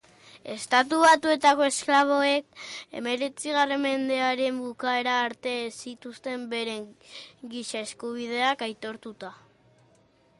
Estatu Batuetako esklaboek hemeretzigarren mendearen bukaera arte ez zituzten beren giza eskubideak aitortuta ikusi.